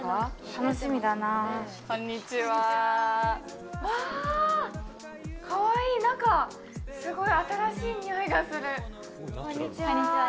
楽しみだなこんにちはわかわいい中すごい新しいにおいがするこんにちは